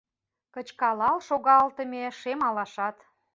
Кычкалал шогалтыме шем алашат